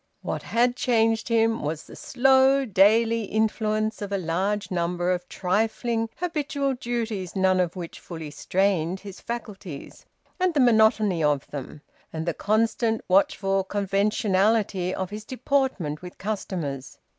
What had changed him was the slow daily influence of a large number of trifling habitual duties none of which fully strained his faculties, and the monotony of them, and the constant watchful conventionality of his deportment with customers.